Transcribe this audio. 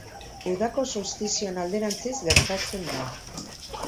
Udako solstizioan alderantziz gertatzen da.